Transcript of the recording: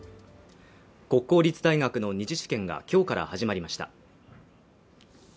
国公立大学の２次試験が今日から始まりました。